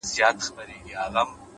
پرمختګ له پرلهپسې زده کړې ځواک اخلي،